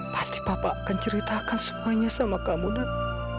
pasti papa akan ceritakan semuanya sama kamu nak